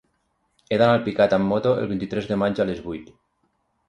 He d'anar a Alpicat amb moto el vint-i-tres de maig a les vuit.